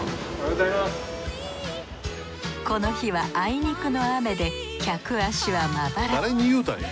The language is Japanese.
この日はあいにくの雨で客足はまばら。